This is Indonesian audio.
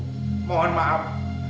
terima kasih bu mohon maaf